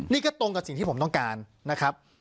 นี่ก็ตรงกับสิ่งที่ผมต้องการนะครับ